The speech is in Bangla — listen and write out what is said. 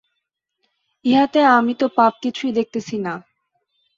ইহাতে আমি তো পাপ কিছুই দেখিতেছি না।